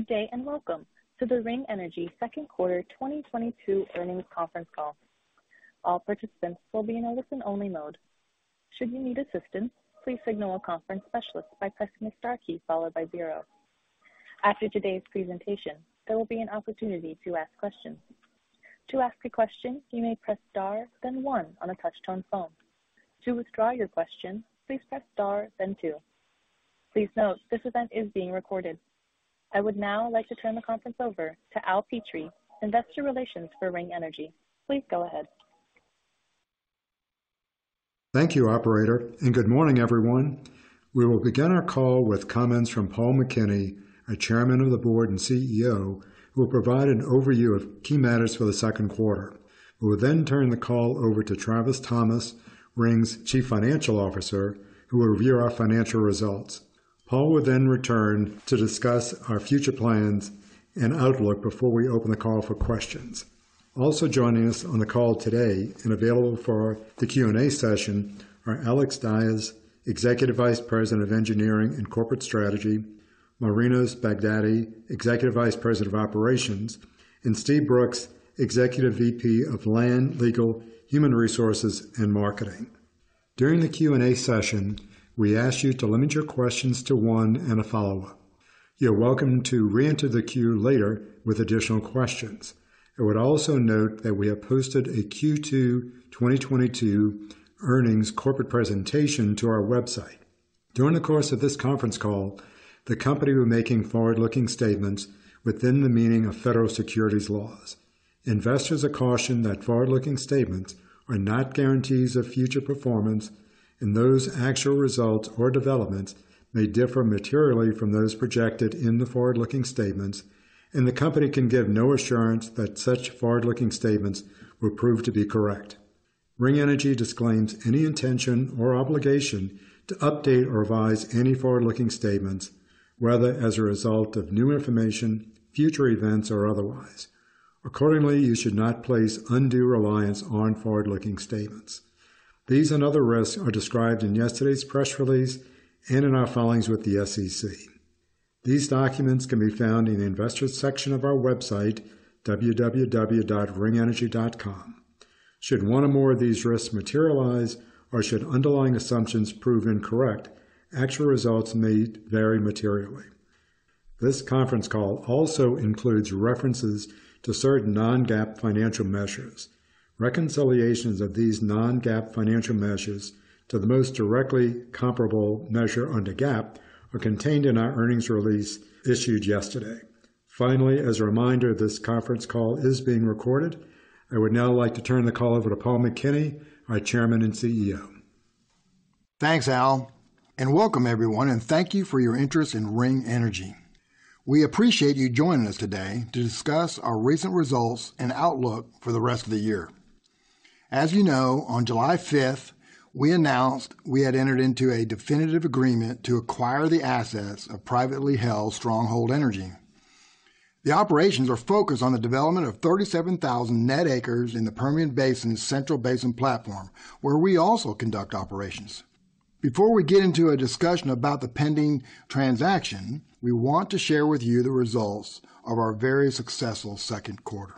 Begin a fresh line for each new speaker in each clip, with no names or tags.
Good day, and welcome to the Ring Energy second quarter 2022 earnings conference call. All participants will be in a listen only mode. Should you need assistance, please signal a conference specialist by pressing the star key followed by zero. After today's presentation, there will be an opportunity to ask questions. To ask a question, you may press star then one on a touch-tone phone. To withdraw your question, please press star then two. Please note, this event is being recorded. I would now like to turn the conference over to Al Petrie, Investor Relations for Ring Energy. Please go ahead.
Thank you, operator, and good morning, everyone. We will begin our call with comments from Paul McKinney, our Chairman of the Board and CEO, who will provide an overview of key matters for the second quarter. We will then turn the call over to Travis Thomas, Ring's Chief Financial Officer, who will review our financial results. Paul will then return to discuss our future plans and outlook before we open the call for questions. Also joining us on the call today and available for the Q&A session are Alex Dyes, Executive Vice President of Engineering and Corporate Strategy, Marinos Baghdati, Executive Vice President of Operations, and Steve Brooks, Executive VP of Land, Legal, Human Resources and Marketing. During the Q&A session, we ask you to limit your questions to one and a follow-up. You're welcome to re-enter the queue later with additional questions. I would also note that we have posted a Q2 2022 earnings corporate presentation to our website. During the course of this conference call, the company will be making forward-looking statements within the meaning of Federal securities laws. Investors are cautioned that forward-looking statements are not guarantees of future performance, and those actual results or developments may differ materially from those projected in the forward-looking statements. The company can give no assurance that such forward-looking statements will prove to be correct. Ring Energy disclaims any intention or obligation to update or revise any forward-looking statements, whether as a result of new information, future events, or otherwise. Accordingly, you should not place undue reliance on forward-looking statements. These and other risks are described in yesterday's press release and in our filings with the SEC. These documents can be found in the investors section of our website, www.ringenergy.com. Should one or more of these risks materialize, or should underlying assumptions prove incorrect, actual results may vary materially. This conference call also includes references to certain non-GAAP financial measures. Reconciliations of these non-GAAP financial measures to the most directly comparable measure under GAAP are contained in our earnings release issued yesterday. Finally, as a reminder, this conference call is being recorded. I would now like to turn the call over to Paul McKinney, our Chairman and CEO.
Thanks, Al, and welcome everyone, and thank you for your interest in Ring Energy. We appreciate you joining us today to discuss our recent results and outlook for the rest of the year. As you know, on July fifth, we announced we had entered into a definitive agreement to acquire the assets of privately held Stronghold Energy II. The operations are focused on the development of 37,000 net acres in the Permian Basin's Central Basin Platform, where we also conduct operations. Before we get into a discussion about the pending transaction, we want to share with you the results of our very successful second quarter.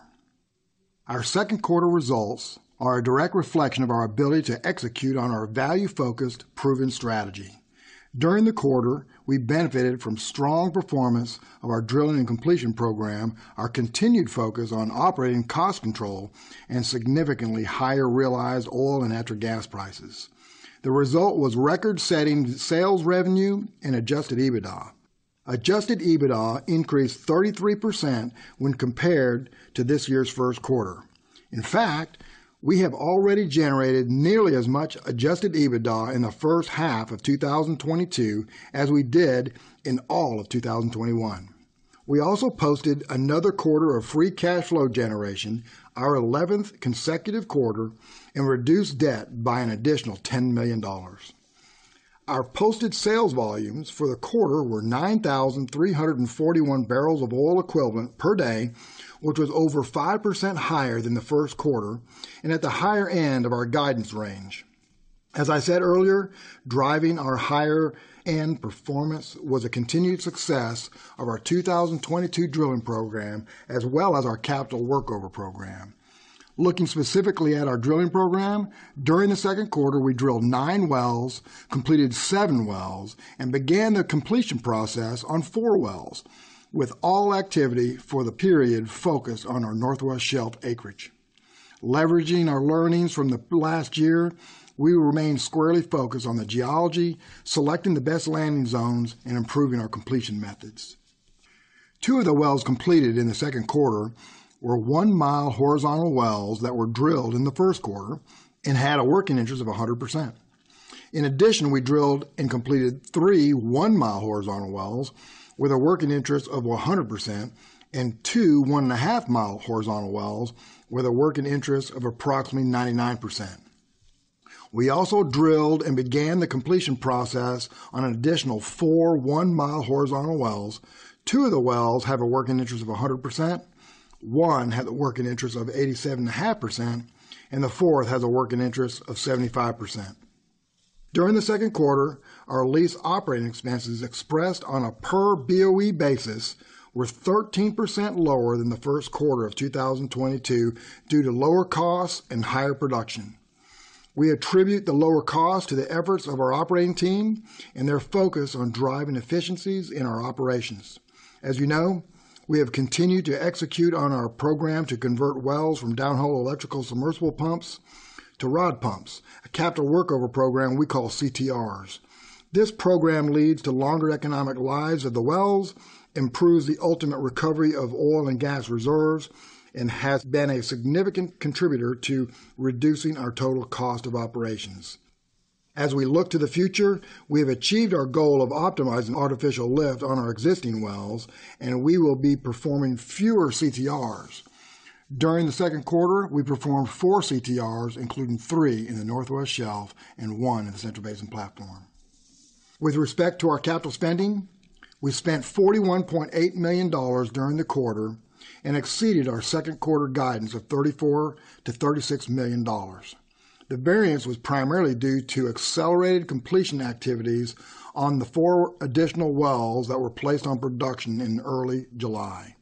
Our second quarter results are a direct reflection of our ability to execute on our value-focused, proven strategy. During the quarter, we benefited from strong performance of our drilling and completion program, our continued focus on operating cost control, and significantly higher realized oil and natural gas prices. The result was record-setting sales revenue and adjusted EBITDA. Adjusted EBITDA increased 33% when compared to this year's first quarter. In fact, we have already generated nearly as much adjusted EBITDA in the first half of 2022 as we did in all of 2021. We also posted another quarter of free cash flow generation, our eleventh consecutive quarter, and reduced debt by an additional $10 million. Our posted sales volumes for the quarter were 9,341 barrels of oil equivalent per day, which was over 5% higher than the first quarter and at the higher end of our guidance range. As I said earlier, driving our higher end performance was a continued success of our 2022 drilling program, as well as our capital workover program. Looking specifically at our drilling program, during the second quarter, we drilled nine wells, completed seven wells, and began the completion process on four wells, with all activity for the period focused on our Northwest Shelf acreage. Leveraging our learnings from the last year, we remain squarely focused on the geology, selecting the best landing zones, and improving our completion methods. Two of the wells completed in the second quarter were one-mile horizontal wells that were drilled in the first quarter and had a working interest of 100%. In addition, we drilled and completed three 1-mile horizontal wells with a working interest of 100% and two 1.5-mile horizontal wells with a working interest of approximately 99%. We also drilled and began the completion process on an additional four 1-mile horizontal wells. Two of the wells have a working interest of 100%, one had a working interest of 87.5%, and the fourth has a working interest of 75%. During the second quarter, our lease operating expenses expressed on a per BOE basis were 13% lower than the first quarter of 2022 due to lower costs and higher production. We attribute the lower cost to the efforts of our operating team and their focus on driving efficiencies in our operations. As you know, we have continued to execute on our program to convert wells from downhole electrical submersible pumps to rod pumps, a capital workover program we call CTRs. This program leads to longer economic lives of the wells, improves the ultimate recovery of oil and gas reserves, and has been a significant contributor to reducing our total cost of operations. As we look to the future, we have achieved our goal of optimizing artificial lift on our existing wells, and we will be performing fewer CTRs. During the second quarter, we performed four CTRs, including three in the Northwest Shelf and one in the Central Basin Platform. With respect to our capital spending, we spent $41.8 million during the quarter and exceeded our second quarter guidance of $34 million-$36 million. The variance was primarily due to accelerated completion activities on the four additional wells that were placed on production in early July.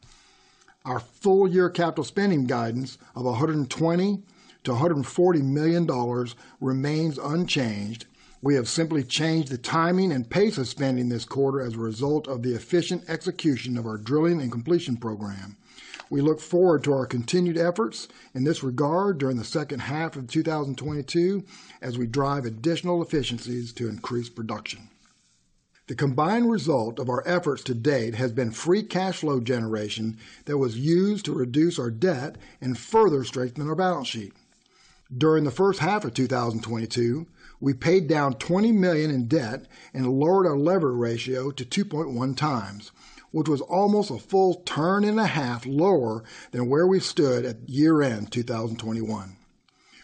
Our full year capital spending guidance of $120 million-$140 million remains unchanged. We have simply changed the timing and pace of spending this quarter as a result of the efficient execution of our drilling and completion program. We look forward to our continued efforts in this regard during the second half of 2022 as we drive additional efficiencies to increase production. The combined result of our efforts to date has been free cash flow generation that was used to reduce our debt and further strengthen our balance sheet. During the first half of 2022, we paid down $20 million in debt and lowered our levered ratio to 2.1x, which was almost a full turn and a half lower than where we stood at year-end 2021.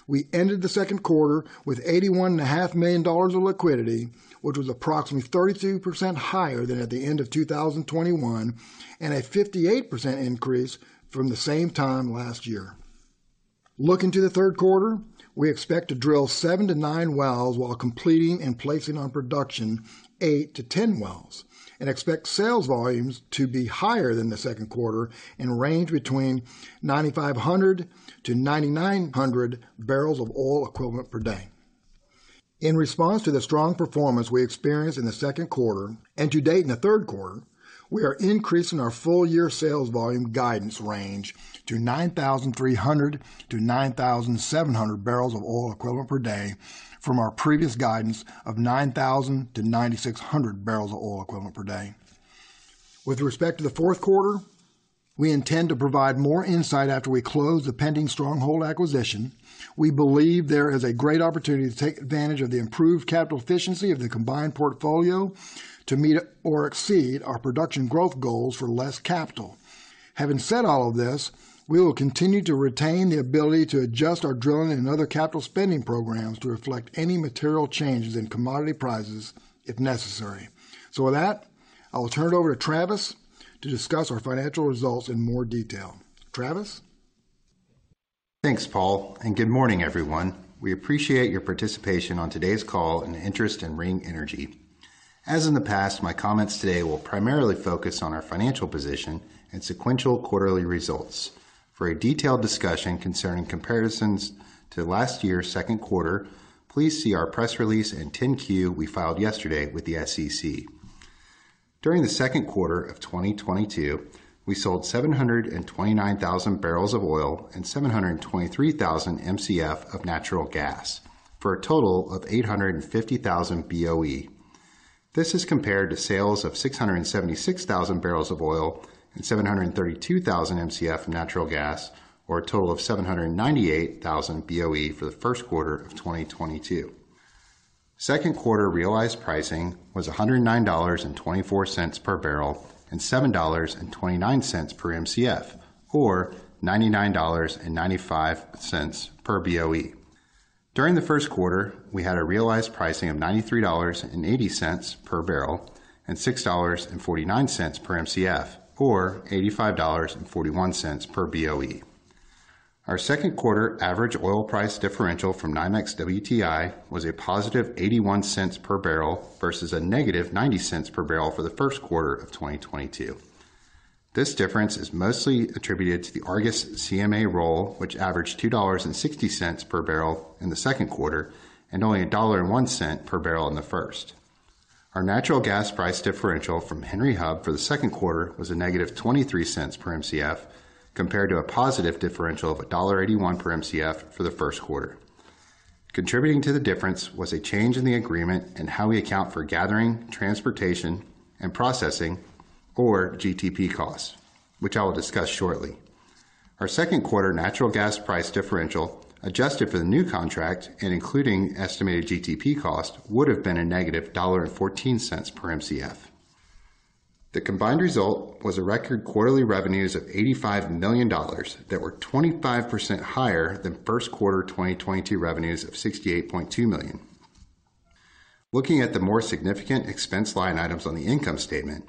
We ended the second quarter with $81.5 million of liquidity, which was approximately 32% higher than at the end of 2021, and a 58% increase from the same time last year. Looking to the third quarter, we expect to drill seven to nine wells while completing and placing on production eight-10 wells, and expect sales volumes to be higher than the second quarter and range between 9,500-9,900 barrels of oil equivalent per day. In response to the strong performance we experienced in the second quarter and to date in the third quarter, we are increasing our full year sales volume guidance range to 9,300-9,700 barrels of oil equivalent per day from our previous guidance of 9,000-9,600 barrels of oil equivalent per day. With respect to the fourth quarter, we intend to provide more insight after we close the pending Stronghold acquisition. We believe there is a great opportunity to take advantage of the improved capital efficiency of the combined portfolio to meet or exceed our production growth goals for less capital. Having said all of this, we will continue to retain the ability to adjust our drilling and other capital spending programs to reflect any material changes in commodity prices if necessary. With that, I will turn it over to Travis to discuss our financial results in more detail. Travis?
Thanks, Paul, and good morning, everyone. We appreciate your participation on today's call and interest in Ring Energy. As in the past, my comments today will primarily focus on our financial position and sequential quarterly results. For a detailed discussion concerning comparisons to last year's second quarter, please see our press release and 10-Q we filed yesterday with the SEC. During the second quarter of 2022, we sold 729,000 barrels of oil and 723,000 Mcf of natural gas for a total of 850,000 BOE. This is compared to sales of 676,000 barrels of oil and 732,000 Mcf of natural gas or a total of 798,000 BOE for the first quarter of 2022. Second quarter realized pricing was $109.24 per barrel and $7.29 per Mcf or $99.95 per BOE. During the first quarter, we had a realized pricing of $93.80 per barrel and $6.49 per Mcf or $85.41 per BOE. Our second quarter average oil price differential from NYMEX WTI was a positive $0.81 per barrel versus a negative $0.90 per barrel for the first quarter of 2022. This difference is mostly attributed to the Argus CMA roll, which averaged $2.60 per barrel in the second quarter and only $1.01 per barrel in the first. Our natural gas price differential from Henry Hub for the second quarter was a negative $0.23 per Mcf compared to a positive differential of $1.81 per Mcf for the first quarter. Contributing to the difference was a change in the agreement in how we account for gathering, transportation, and processing or GTP costs, which I will discuss shortly. Our second quarter natural gas price differential, adjusted for the new contract and including estimated GTP cost, would have been a negative $1.14 per Mcf. The combined result was a record quarterly revenues of $85 million that were 25% higher than first quarter 2022 revenues of $68.2 million. Looking at the more significant expense line items on the income statement.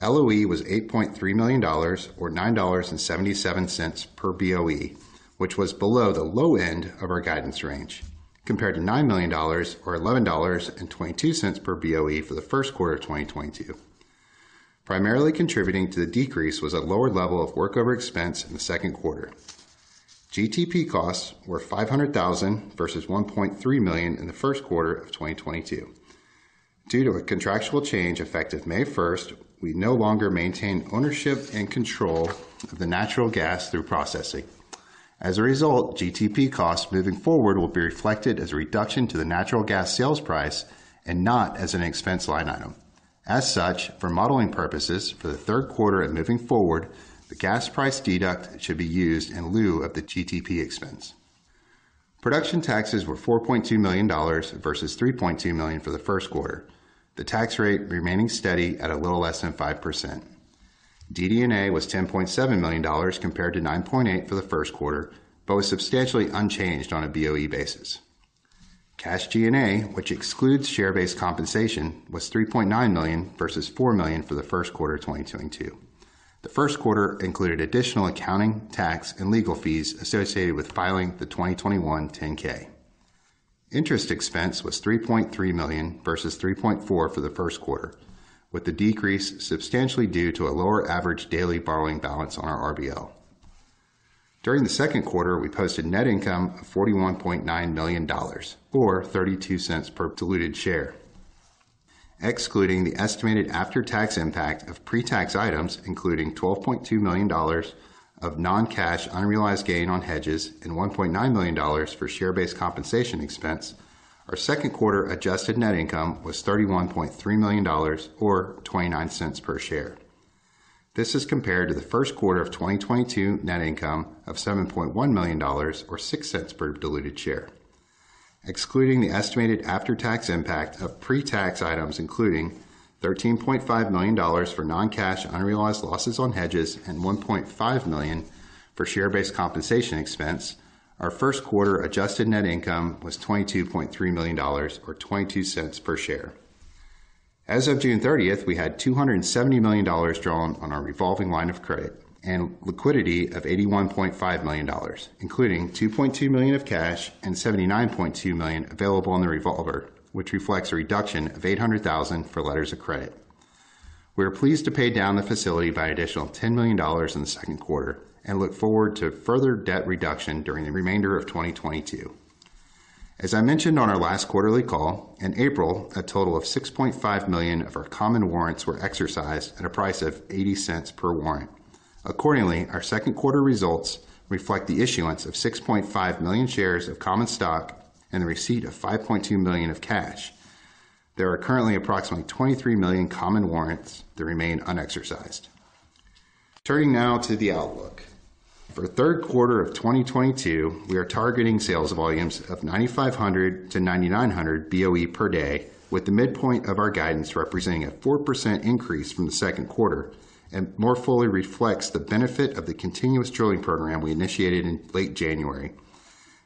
LOE was $8.3 million or $9.77 per BOE, which was below the low end of our guidance range, compared to $9 million or $11.22 per BOE for the first quarter of 2022. Primarily contributing to the decrease was a lower level of workover expense in the second quarter. GTP costs were $500,000 versus $1.3 million in the first quarter of 2022. Due to a contractual change effective May first, we no longer maintain ownership and control of the natural gas through processing. As a result, GTP costs moving forward will be reflected as a reduction to the natural gas sales price and not as an expense line item. As such, for modeling purposes for the third quarter and moving forward, the gas price deduct should be used in lieu of the GTP expense. Production taxes were $4.2 million versus $3.2 million for the first quarter. The tax rate remaining steady at a little less than 5%. DD&A was $10.7 million compared to $9.8 million for the first quarter, but was substantially unchanged on a BOE basis. Cash G&A, which excludes share-based compensation, was $3.9 million versus $4 million for the first quarter of 2022. The first quarter included additional accounting, tax, and legal fees associated with filing the 2021 10-K. Interest expense was $3.3 million versus $3.4 million for the first quarter, with the decrease substantially due to a lower average daily borrowing balance on our RBL. During the second quarter, we posted net income of $41.9 million or $0.32 per diluted share. Excluding the estimated after-tax impact of pre-tax items, including $12.2 million of non-cash unrealized gain on hedges and $1.9 million for share-based compensation expense, our second quarter adjusted net income was $31.3 million or $0.29 per share. This is compared to the first quarter of 2022 net income of $7.1 million or $0.06 per diluted share. Excluding the estimated after-tax impact of pre-tax items, including $13.5 million for non-cash unrealized losses on hedges and $1.5 million for share-based compensation expense, our first quarter adjusted net income was $22.3 million or $0.22 per share. As of June 30th, we had $270 million drawn on our revolving line of credit and liquidity of $81.5 million, including $2.2 million of cash and $79.2 million available on the revolver, which reflects a reduction of $800,000 for letters of credit. We are pleased to pay down the facility by additional $10 million in the second quarter and look forward to further debt reduction during the remainder of 2022. As I mentioned on our last quarterly call, in April, a total of 6.5 million of our common warrants were exercised at a price of $0.80 per warrant. Accordingly, our second quarter results reflect the issuance of 6.5 million shares of common stock and the receipt of $5.2 million of cash. There are currently approximately 23 million common warrants that remain unexercised. Turning now to the outlook. For the third quarter of 2022, we are targeting sales volumes of 9,500-9,900 BOE per day, with the midpoint of our guidance representing a 4% increase from the second quarter and more fully reflects the benefit of the continuous drilling program we initiated in late January.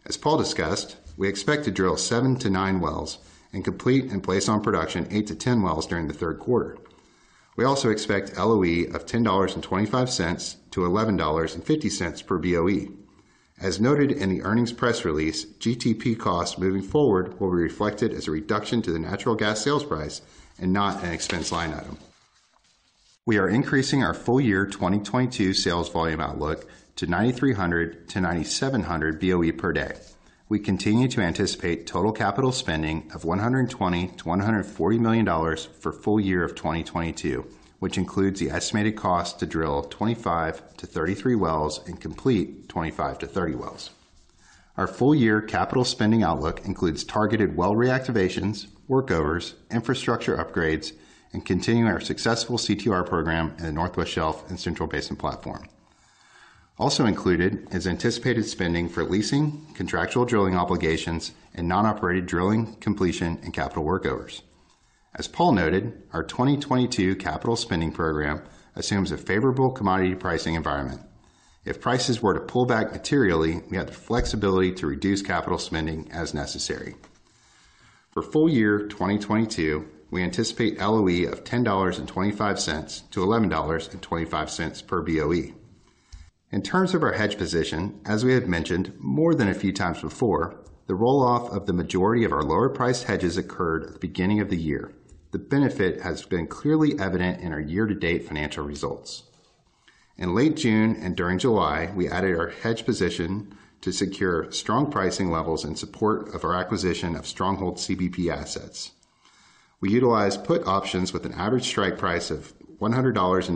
As Paul discussed, we expect to drill seven to nine wells and complete and place on production eight to 10 wells during the third quarter. We also expect LOE of $10.25-$11.50 per BOE. As noted in the earnings press release, GTP costs moving forward will be reflected as a reduction to the natural gas sales price and not an expense line item. We are increasing our full year 2022 sales volume outlook to 9,300-9,700 BOE per day. We continue to anticipate total capital spending of $120 million-$140 million for full year of 2022, which includes the estimated cost to drill 25-33 wells and complete 25-30 wells. Our full year capital spending outlook includes targeted well reactivations, workovers, infrastructure upgrades, and continuing our successful CTR program in the Northwest Shelf and Central Basin Platform. Also included is anticipated spending for leasing, contractual drilling obligations, and non-operated drilling, completion, and capital workovers. As Paul noted, our 2022 capital spending program assumes a favorable commodity pricing environment. If prices were to pull back materially, we have the flexibility to reduce capital spending as necessary. For full year 2022, we anticipate LOE of $10.25-$11.25 per BOE. In terms of our hedge position, as we have mentioned more than a few times before, the roll-off of the majority of our lower priced hedges occurred at the beginning of the year. The benefit has been clearly evident in our year-to-date financial results. In late June and during July, we added our hedge position to secure strong pricing levels in support of our acquisition of Stronghold CBP assets. We utilized put options with an average strike price of $100.90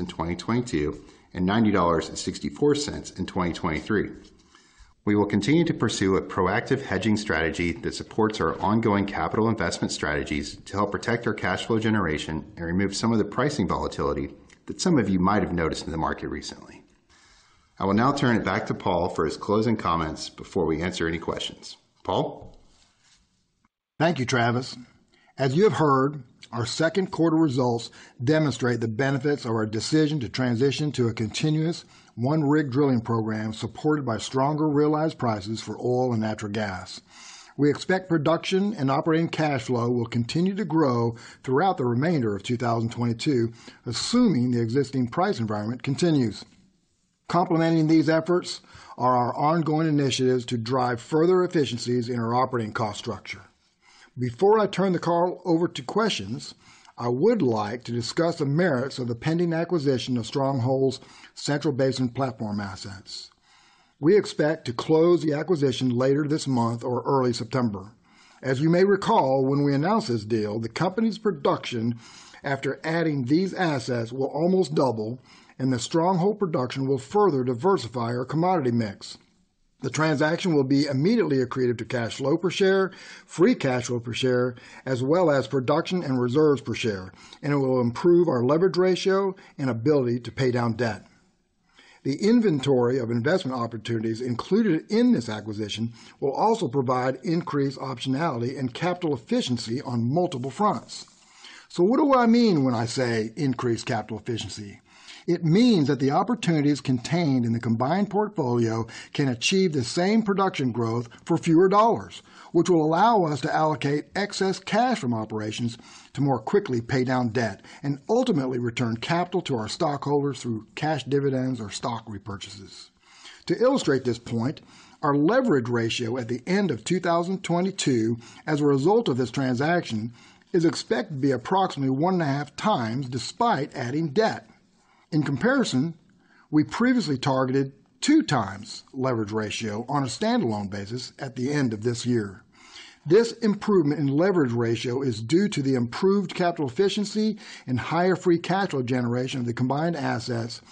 in 2022, and $90.64 in 2023. We will continue to pursue a proactive hedging strategy that supports our ongoing capital investment strategies to help protect our cash flow generation and remove some of the pricing volatility that some of you might have noticed in the market recently. I will now turn it back to Paul for his closing comments before we answer any questions. Paul?
Thank you, Travis. As you have heard, our second quarter results demonstrate the benefits of our decision to transition to a continuous one-rig drilling program supported by stronger realized prices for oil and natural gas. We expect production and operating cash flow will continue to grow throughout the remainder of 2022, assuming the existing price environment continues. Complementing these efforts are our ongoing initiatives to drive further efficiencies in our operating cost structure. Before I turn the call over to questions, I would like to discuss the merits of the pending acquisition of Stronghold's Central Basin Platform assets. We expect to close the acquisition later this month or early September. As you may recall, when we announced this deal, the company's production after adding these assets will almost double, and the Stronghold production will further diversify our commodity mix. The transaction will be immediately accretive to cash flow per share, free cash flow per share, as well as production and reserves per share, and it will improve our leverage ratio and ability to pay down debt. The inventory of investment opportunities included in this acquisition will also provide increased optionality and capital efficiency on multiple fronts. What do I mean when I say increased capital efficiency? It means that the opportunities contained in the combined portfolio can achieve the same production growth for fewer dollars, which will allow us to allocate excess cash from operations to more quickly pay down debt and ultimately return capital to our stockholders through cash dividends or stock repurchases. To illustrate this point, our leverage ratio at the end of 2022 as a result of this transaction is expected to be approximately 1.5x despite adding debt. In comparison, we previously targeted 2x leverage ratio on a standalone basis at the end of this year. This improvement in leverage ratio is due to the improved capital efficiency and higher free cash flow generation of the combined assets,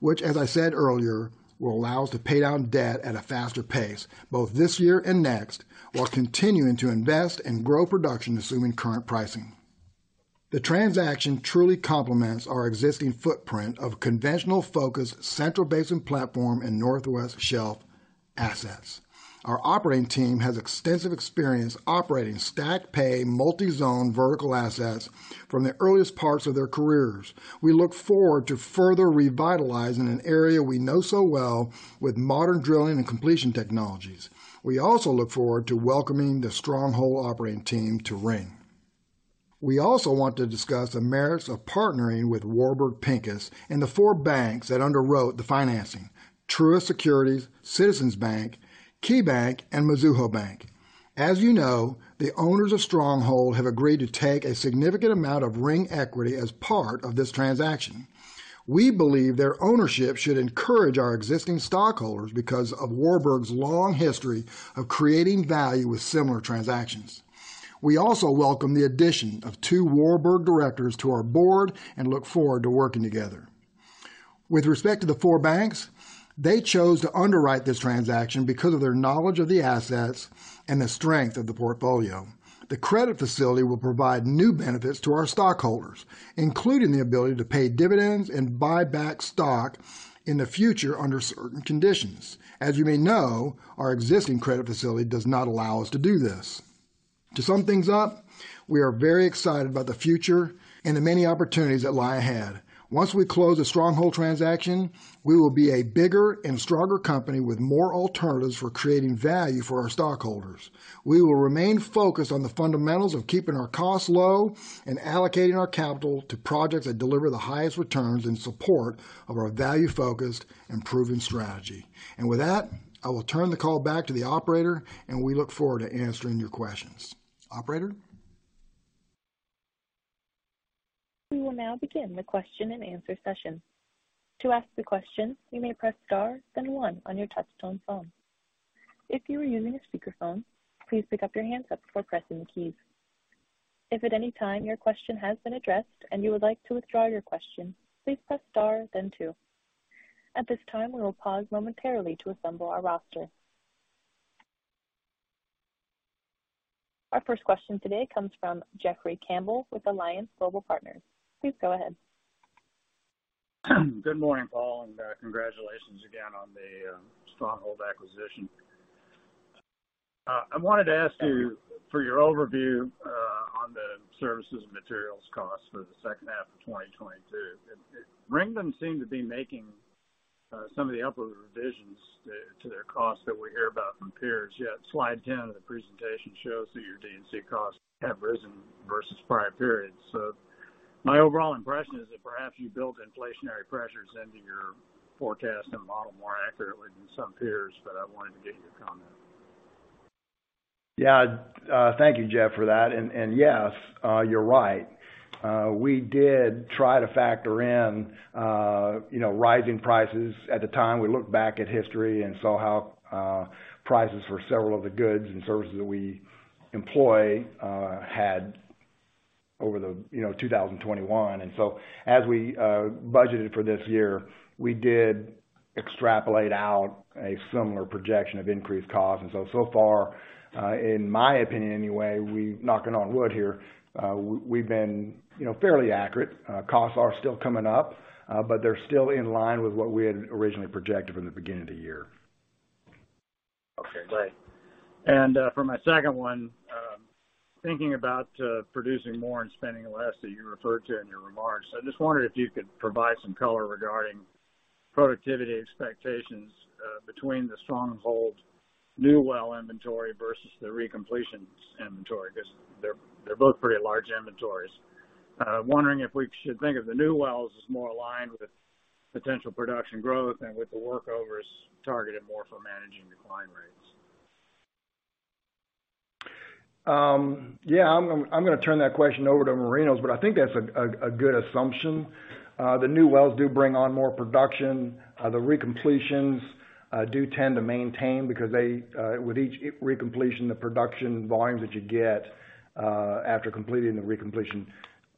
which as I said earlier, will allow us to pay down debt at a faster pace, both this year and next, while continuing to invest and grow production assuming current pricing. The transaction truly complements our existing footprint of conventional focused Central Basin Platform and Northwest Shelf assets. Our operating team has extensive experience operating stacked pay multi-zone vertical assets from the earliest parts of their careers. We look forward to further revitalizing an area we know so well with modern drilling and completion technologies. We also look forward to welcoming the Stronghold operating team to Ring. We also want to discuss the merits of partnering with Warburg Pincus and the four banks that underwrote the financing, Truist Securities, Citizens Bank, KeyBank, and Mizuho Bank. As you know, the owners of Stronghold have agreed to take a significant amount of Ring equity as part of this transaction. We believe their ownership should encourage our existing stockholders because of Warburg's long history of creating value with similar transactions. We also welcome the addition of two Warburg directors to our board and look forward to working together. With respect to the four banks, they chose to underwrite this transaction because of their knowledge of the assets and the strength of the portfolio. The credit facility will provide new benefits to our stockholders, including the ability to pay dividends and buy back stock in the future under certain conditions. As you may know, our existing credit facility does not allow us to do this. To sum things up, we are very excited about the future and the many opportunities that lie ahead. Once we close the Stronghold transaction, we will be a bigger and stronger company with more alternatives for creating value for our stockholders. We will remain focused on the fundamentals of keeping our costs low and allocating our capital to projects that deliver the highest returns in support of our value-focused and proven strategy. With that, I will turn the call back to the operator, and we look forward to answering your questions. Operator?
We will now begin the question-and-answer session. To ask the question, you may press star, then one on your touchtone phone. If you are using a speakerphone, please pick up your handset before pressing the keys. If at any time your question has been addressed and you would like to withdraw your question, please press star then two. At this time, we will pause momentarily to assemble our roster. Our first question today comes from Jeffrey Campbell with Alliance Global Partners. Please go ahead.
Good morning, Paul, and congratulations again on the Stronghold acquisition. I wanted to ask you for your overview on the services and materials costs for the second half of 2022. Ring Energy seem to be making some of the upward revisions to their costs that we hear about from peers, yet slide 10 of the presentation shows that your D&C costs have risen versus prior periods. My overall impression is that perhaps you built inflationary pressures into your forecast and model more accurately than some peers, but I wanted to get your comment.
Yeah. Thank you, Jeff, for that. Yes, you're right. We did try to factor in, you know, rising prices. At the time, we looked back at history and saw how prices for several of the goods and services that we employ had over the, you know, 2021. So as we budgeted for this year, we did extrapolate out a similar projection of increased costs. So far, in my opinion anyway, knocking on wood here, we've been, you know, fairly accurate. Costs are still coming up, but they're still in line with what we had originally projected from the beginning of the year.
Okay, great. For my second one, thinking about producing more and spending less that you referred to in your remarks, I just wondered if you could provide some color regarding productivity expectations between the Stronghold new well inventory versus the recompletions inventory, 'cause they're both pretty large inventories. Wondering if we should think of the new wells as more aligned with potential production growth and with the workovers targeted more for managing decline rates.
Yeah, I'm gonna turn that question over to Marinos, but I think that's a good assumption. The new wells do bring on more production. The recompletions do tend to maintain because with each recompletion, the production volumes that you get after completing the recompletion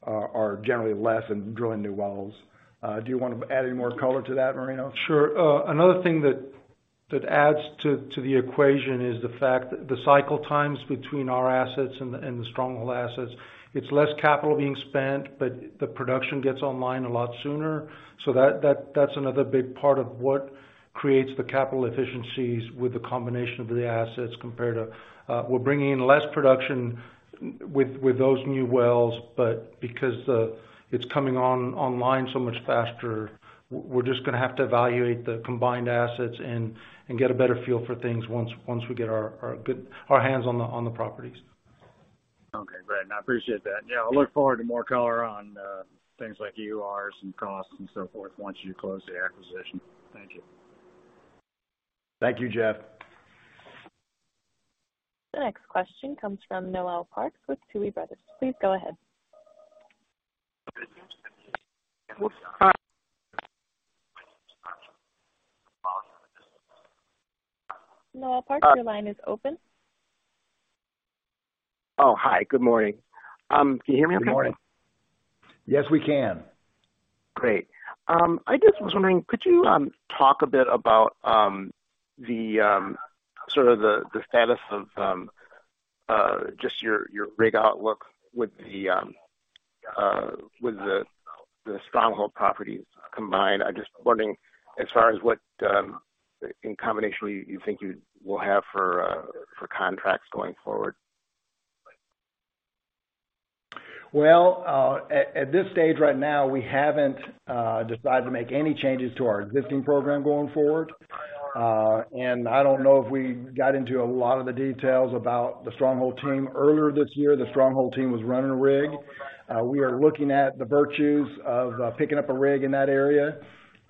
are generally less than drilling new wells. Do you wanna add any more color to that, Marinos?
Sure. Another thing that adds to the equation is the fact that the cycle times between our assets and the Stronghold assets. It's less capital being spent, but the production gets online a lot sooner. That's another big part of what creates the capital efficiencies with the combination of the assets compared to we're bringing in less production with those new wells, but because it's coming online so much faster, we're just gonna have to evaluate the combined assets and get a better feel for things once we get our hands on the properties.
Okay, great. I appreciate that. Yeah, I look forward to more color on things like EURs and costs and so forth once you close the acquisition. Thank you.
Thank you, Jeff.
The next question comes from Noel Parks with Tuohy Brothers. Please go ahead. Noel Parks, your line is open.
Oh, hi, good morning. Can you hear me okay?
Good morning. Yes, we can.
Great. I just was wondering, could you talk a bit about the sort of status of just your rig outlook with the Stronghold properties combined. I'm just wondering as far as what in combination you think you will have for contracts going forward.
At this stage right now, we haven't decided to make any changes to our existing program going forward. I don't know if we got into a lot of the details about the Stronghold team. Earlier this year, the Stronghold team was running a rig. We are looking at the virtues of picking up a rig in that area.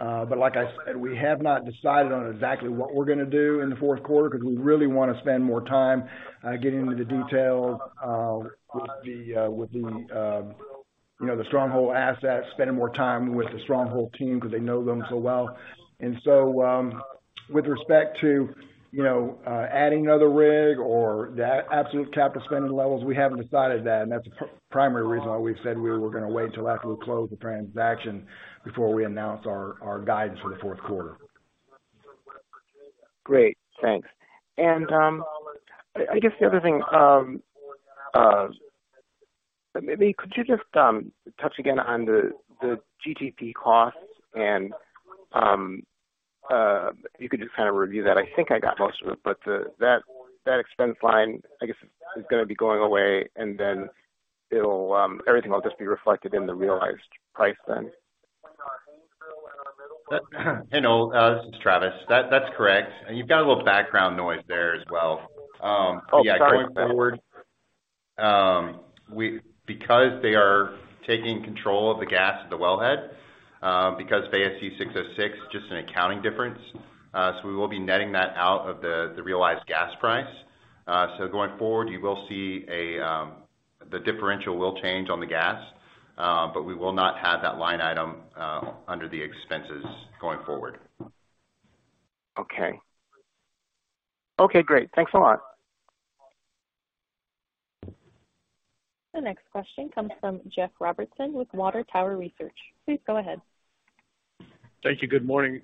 Like I said, we have not decided on exactly what we're gonna do in the fourth quarter because we really wanna spend more time getting into the details with the you know the Stronghold assets, spending more time with the Stronghold team because they know them so well. With respect to, you know, adding another rig or the absolute capital spending levels, we haven't decided that, and that's the primary reason why we've said we were gonna wait till after we close the transaction before we announce our guidance for the fourth quarter.
Great. Thanks. I guess the other thing, maybe could you just touch again on the GTP costs and if you could just kind of review that. I think I got most of it, but that expense line, I guess, is gonna be going away, and then everything will just be reflected in the realized price then.
Hey, Noel, this is Travis. That's correct. You've got a little background noise there as well.
Oh, sorry.
Yeah, going forward, because they are taking control of the gas at the wellhead, because of ASC 606, just an accounting difference, so we will be netting that out of the realized gas price. Going forward, you will see the differential will change on the gas, but we will not have that line item under the expenses going forward.
Okay. Okay, great. Thanks a lot.
The next question comes from Jeff Robertson with Water Tower Research. Please go ahead.
Thank you. Good morning.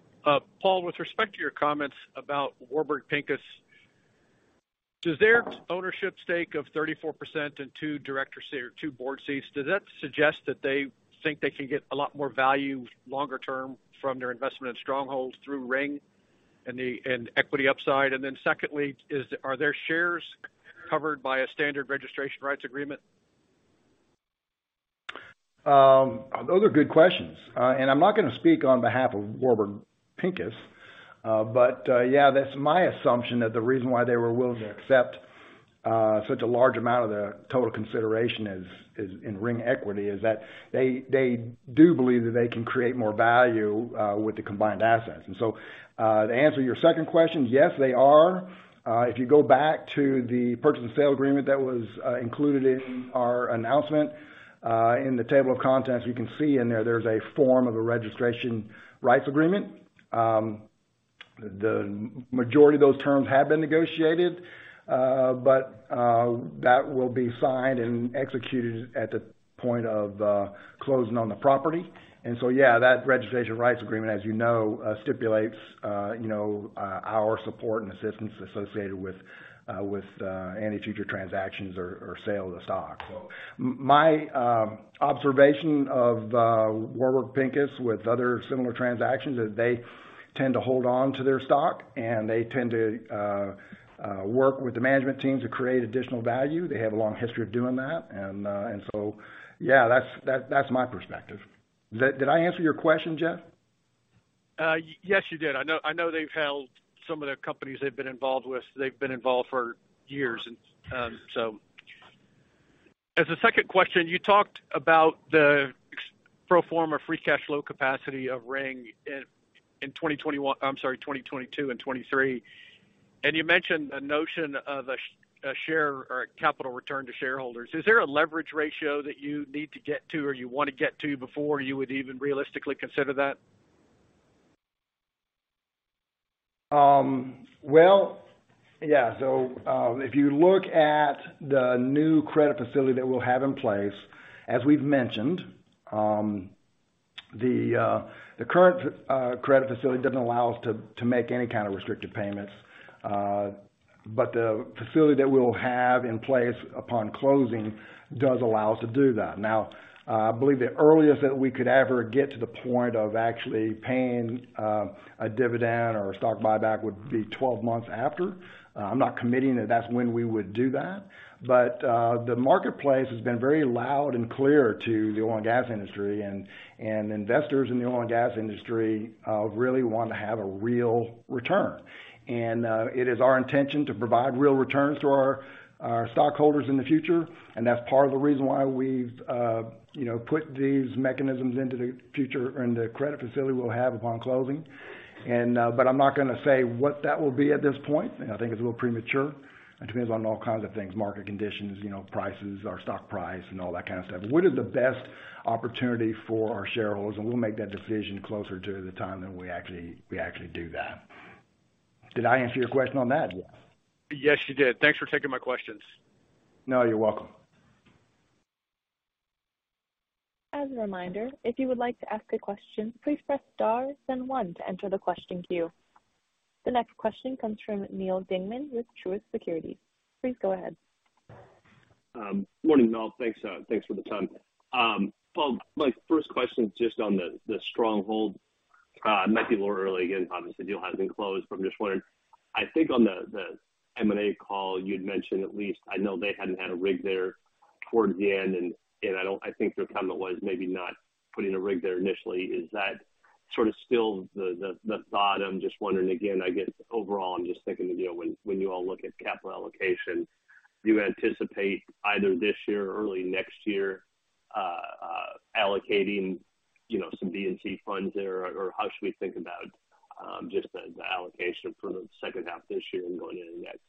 Paul, with respect to your comments about Warburg Pincus, does their ownership stake of 34% and two board seats suggest that they think they can get a lot more value longer term from their investment in Stronghold through Ring and the equity upside? Then secondly, are their shares covered by a standard registration rights agreement?
Those are good questions. I'm not gonna speak on behalf of Warburg Pincus, but yeah, that's my assumption that the reason why they were willing to accept such a large amount of the total consideration is in Ring Energy, is that they do believe that they can create more value with the combined assets. To answer your second question, yes, they are. If you go back to the purchase and sale agreement that was included in our announcement, in the table of contents, you can see in there there's a form of a registration rights agreement. The majority of those terms have been negotiated, but that will be signed and executed at the point of closing on the property. Yeah, that registration rights agreement, as you know, stipulates you know our support and assistance associated with any future transactions or sale of the stock. My observation of Warburg Pincus with other similar transactions is they tend to hold on to their stock, and they tend to work with the management team to create additional value. They have a long history of doing that. Yeah, that's my perspective. Did I answer your question, Jeff?
Yes, you did. I know they've held some of the companies they've been involved with for years. As a second question, you talked about the pro forma free cash flow capacity of Ring in 2022 and 2023. You mentioned a notion of a share or capital return to shareholders. Is there a leverage ratio that you need to get to or you want to get to before you would even realistically consider that?
Well, yeah. If you look at the new credit facility that we'll have in place, as we've mentioned, the current credit facility doesn't allow us to make any kind of restricted payments. The facility that we'll have in place upon closing does allow us to do that. Now, I believe the earliest that we could ever get to the point of actually paying a dividend or a stock buyback would be 12 months after. I'm not committing that that's when we would do that. The marketplace has been very loud and clear to the oil and gas industry, and investors in the oil and gas industry really want to have a real return. It is our intention to provide real returns to our stockholders in the future, and that's part of the reason why we've, you know, put these mechanisms into the future and the credit facility we'll have upon closing. But I'm not gonna say what that will be at this point. I think it's a little premature. It depends on all kinds of things, market conditions, you know, prices, our stock price, and all that kind of stuff. What is the best opportunity for our shareholders, and we'll make that decision closer to the time that we actually do that. Did I answer your question on that?
Yes, you did. Thanks for taking my questions.
No, you're welcome.
As a reminder, if you would like to ask a question, please press star then one to enter the question queue. The next question comes from Neal Dingmann with Truist Securities. Please go ahead.
Morning, all. Thanks for the time. Well, my first question is just on the Stronghold. It might be a little early, again, obviously, the deal hasn't been closed, but I'm just wondering, I think on the M&A call, you'd mentioned at least, I know they hadn't had a rig there towards the end, and I think their comment was maybe not putting a rig there initially. Is that sort of still the thought? I'm just wondering, again, I guess overall, I'm just thinking the deal, when you all look at capital allocation, do you anticipate either this year or early next year, allocating, you know, some D&C funds there? Or how should we think about just the allocation for the second half of this year and going into next?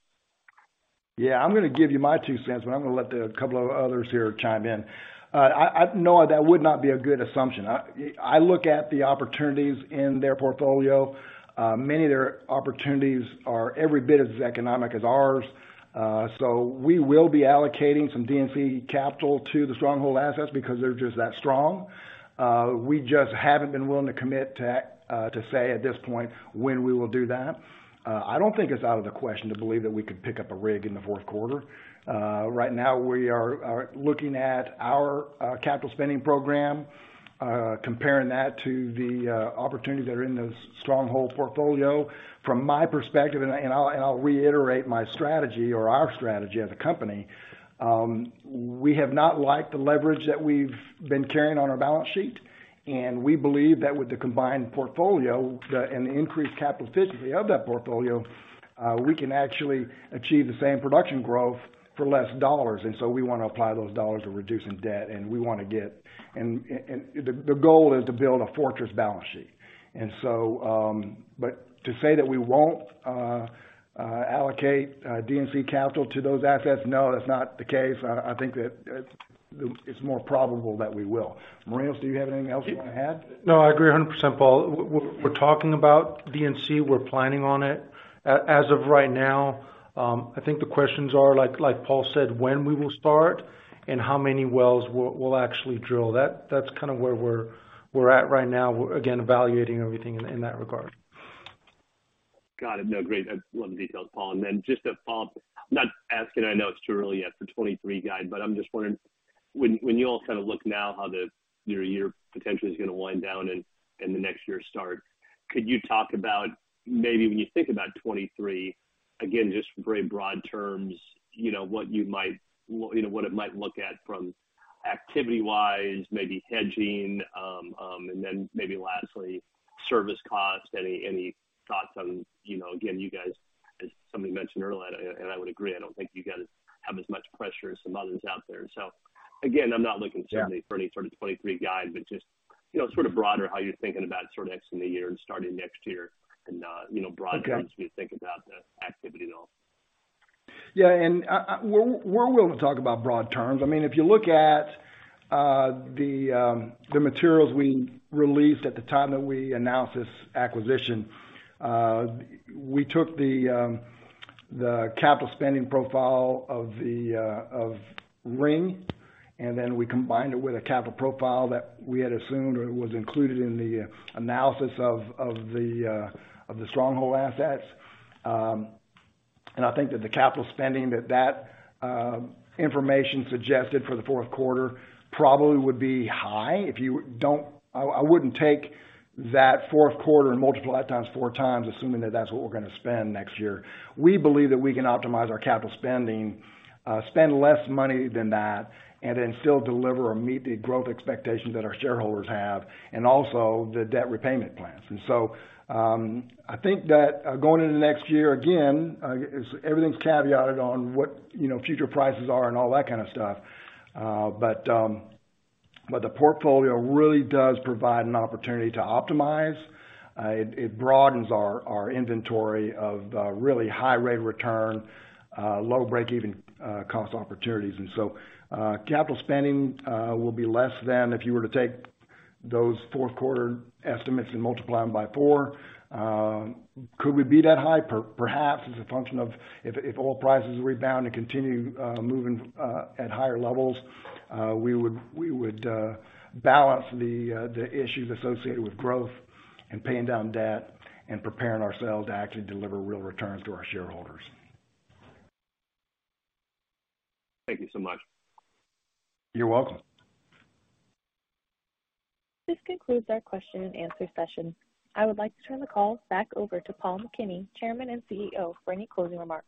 Yeah. I'm gonna give you my two cents, but I'm gonna let the couple of others here chime in. No, that would not be a good assumption. I look at the opportunities in their portfolio. Many of their opportunities are every bit as economic as ours. So we will be allocating some D&C capital to the Stronghold assets because they're just that strong. We just haven't been willing to commit to say at this point when we will do that. I don't think it's out of the question to believe that we could pick up a rig in the fourth quarter. Right now we are looking at our capital spending program, comparing that to the opportunities that are in the Stronghold portfolio. From my perspective, I'll reiterate my strategy or our strategy as a company, we have not liked the leverage that we've been carrying on our balance sheet, and we believe that with the combined portfolio, and the increased capital efficiency of that portfolio, we can actually achieve the same production growth for less dollars. We wanna apply those dollars to reducing debt, and we wanna get the goal is to build a fortress balance sheet. But to say that we won't allocate D&C capital to those assets, no, that's not the case. I think that it's more probable that we will. Marinos Baghdati, do you have anything else you wanna add?
No, I agree 100%, Paul. We're talking about D&C. We're planning on it. As of right now, I think the questions are like Paul said, when we will start and how many wells we'll actually drill. That's kind of where we're at right now. We're again, evaluating everything in that regard.
Got it. No, great. I love the details, Paul. Just to follow up, I'm not asking, I know it's too early yet for 2023 guide, but I'm just wondering when you all kind of look now how the year potentially is gonna wind down and the next year start, could you talk about maybe when you think about 2023, again, just very broad terms, you know, what you might, you know, what it might look at from activity-wise, maybe hedging, and then maybe lastly, service cost. Any thoughts on, you know, again, you guys, as somebody mentioned earlier, and I would agree, I don't think you guys have as much pressure as some others out there. Again, I'm not looking certainly for any sort of 2023 guide, but just, you know, sort of broader how you're thinking about sort of exiting the year and starting next year and, you know, broad terms as we think about the activity level.
Yeah. We're willing to talk about broad terms. I mean, if you look at the materials we released at the time that we announced this acquisition, we took the capital spending profile of Ring, and then we combined it with a capital profile that we had assumed or was included in the analysis of the Stronghold assets. I think that the capital spending that information suggested for the fourth quarter probably would be high. I wouldn't take that fourth quarter and multiply it times 4x, assuming that that's what we're gonna spend next year. We believe that we can optimize our capital spending, spend less money than that, and then still deliver or meet the growth expectations that our shareholders have, and also the debt repayment plans. I think that, going into next year, again, everything's caveated on what, you know, future prices are and all that kind of stuff. The portfolio really does provide an opportunity to optimize. It broadens our inventory of, really high rate of return, low break even, cost opportunities. Capital spending will be less than if you were to take those fourth quarter estimates and multiply them by four. Could we be that high? Perhaps as a function of if oil prices rebound and continue moving at higher levels, we would balance the issues associated with growth and paying down debt and preparing ourselves to actually deliver real returns to our shareholders.
Thank you so much.
You're welcome.
This concludes our question and answer session. I would like to turn the call back over to Paul McKinney, Chairman and CEO, for any closing remarks.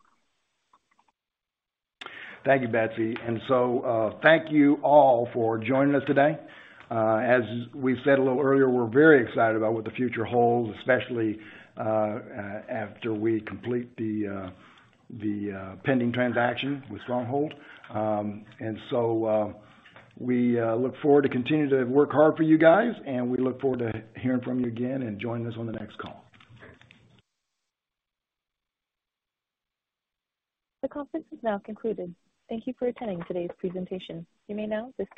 Thank you, Betsy. Thank you all for joining us today. As we said a little earlier, we're very excited about what the future holds, especially, after we complete the pending transaction with Stronghold. We look forward to continue to work hard for you guys, and we look forward to hearing from you again and joining us on the next call.
The conference is now concluded. Thank you for attending today's presentation. You may now disconnect.